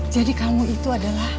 jadi kamu itu adalah